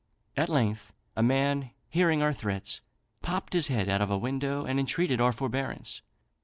At length a man, hearing our threats, popped his head out of a window, and entreated our forbearance.